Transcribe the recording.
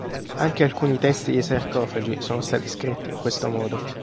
Anche alcuni testi dei sarcofagi sono stati scritti in questo modo.